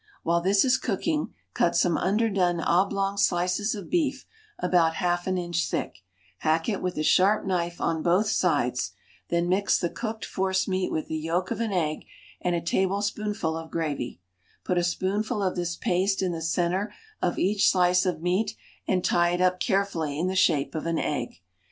While this is cooking, cut some underdone oblong slices of beef about half an inch thick, hack it with a sharp knife on both sides; then mix the cooked force meat with the yolk of an egg and a tablespoonful of gravy; put a spoonful of this paste in the center of each slice of meat and tie it up carefully in the shape of an egg.